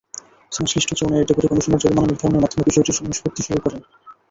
সংশ্লিষ্ট জোনের deputy commissioner জরিমানা নির্ধারণের মাধ্যমে বিষয়টির নিষ্পত্তি করে থাকেন।